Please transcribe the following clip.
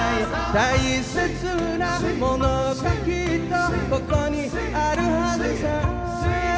「大切な物がきっとここにあるはずさ」